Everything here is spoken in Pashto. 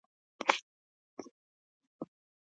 د پکتیکا په زیروک کې د څه شي نښې دي؟